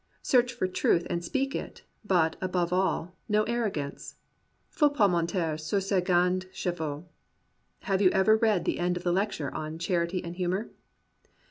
Search for truth and speak it; but, above all, no arrogance — faut pas monter sur ses grands chevaux. Have you ever read the end of the lecture on "Charity and Humour